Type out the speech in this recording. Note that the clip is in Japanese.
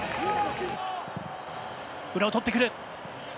裏をとってくる。